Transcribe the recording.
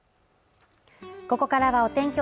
ここからはお天気